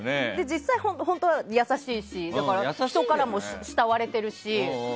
実際、本当に優しいし人からも慕われているし。